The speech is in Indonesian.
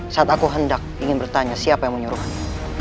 saat aku hendak ingin bertanya siapa yang menyuruhnya